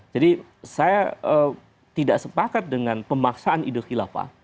jadi saya tidak sepakat dengan pemaksaan ide khilafah